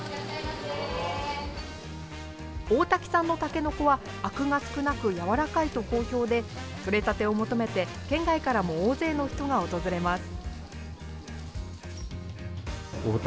大多喜産のたけのこはあくが少なく軟らかいと好評で取れたてを求めて県外からも大勢の人が訪れます。